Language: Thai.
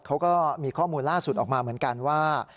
เขาก็มีข้อมูลล่าสุดออกมาเหมือนกันว่า